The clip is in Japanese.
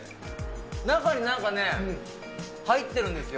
中になんかね、入ってるんですよ。